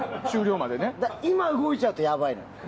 だから今動いちゃうとやばいの。